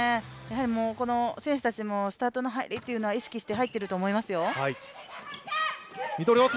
選手たちもスタートの入りは意識して入っていると思いますよ。